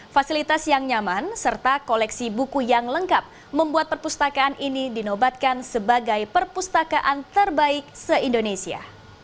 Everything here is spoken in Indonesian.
fasilitas yang nyaman serta koleksi buku yang lengkap membuat perpustakaan ini dinobatkan sebagai perpustakaan terbaik se indonesia